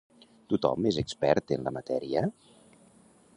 Tothom és expert en la matèria?